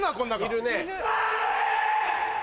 いるね。